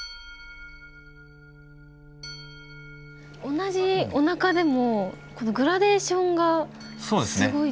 同じおなかでもこのグラデーションがすごいですね。